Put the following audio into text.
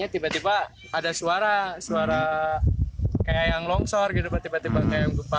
tiba tiba ada suara seperti yang longsor seperti yang gempa